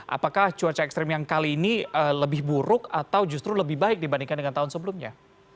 apakah cuaca ekstrim yang kali ini lebih buruk atau justru lebih baik dibandingkan dengan tahun sebelumnya